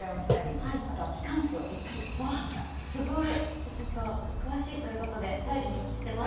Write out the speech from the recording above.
じゃちょっとお詳しいということで頼りにしてます。